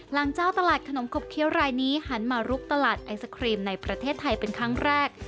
เจ้าตลาดขนมขบเคี้ยวรายนี้หันมาลุกตลาดไอศครีมในประเทศไทยเป็นครั้งแรก